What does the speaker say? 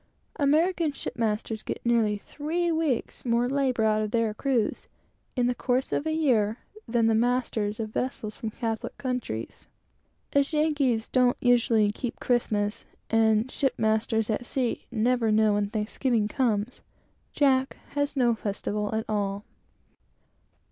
American shipmasters get nearly three weeks more labor out of their crews, in the course of a year, than the masters of vessels from Catholic countries. Yankees don't keep Christmas, and ship masters at sea never know when Thanksgiving comes, so Jack has no festival at all.